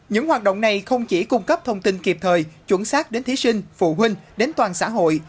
những hoạt động này không chỉ cung cấp thông tin kịp thời chuẩn xác đến thí sinh phụ huynh đến toàn xã hội